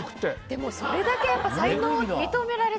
でも、それだけ才能を認められた。